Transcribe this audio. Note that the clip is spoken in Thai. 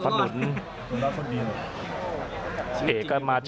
อัศวินาศาสตร์